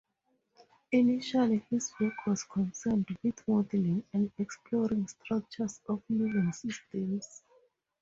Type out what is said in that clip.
Initially his work was concerned with modelling and exploring structures of living-systems.